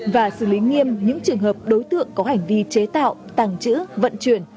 và xử lý nghiêm những trường hợp đối tượng có hành vi chế tạo tàng trữ vận chuyển